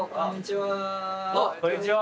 わっこんにちは！